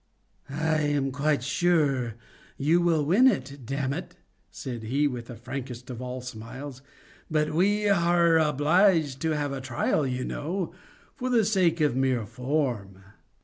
"I am quite sure you will win it, Dammit," said he, with the frankest of all smiles, "but we are obliged to have a trial, you know, for the sake of mere form."